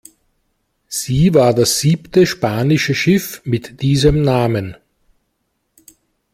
Sie war das siebte spanische Schiff mit diesem Namen.